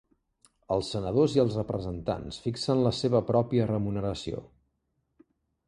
Els senadors i els representants fixen la seva pròpia remuneració.